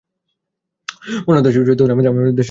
অন্যান্য দেশের সহিত তুলনায় আমাদের দেশের জনসাধারণ দেবতাস্বরূপ।